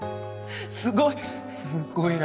すごいすごいな